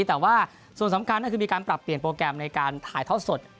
แต่ว่าส่วนสำคัญก็คือมีการปรับเปลี่ยนโปรแกรมในการถ่ายทอดสด